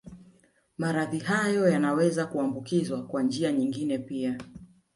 Maradhi hayo yanaweza yakaambukizwa kwa njia nyingine pia